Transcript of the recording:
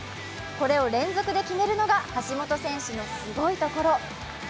これを連続で決めるのが橋本選手のすごいところ。